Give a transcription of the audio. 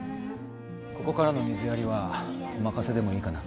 ここからの水やりはお任せでもいいかな。